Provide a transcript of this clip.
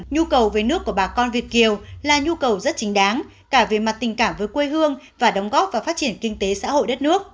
nhu cầu về nước của bà con việt kiều là nhu cầu rất chính đáng cả về mặt tình cảm với quê hương và đóng góp vào phát triển kinh tế xã hội đất nước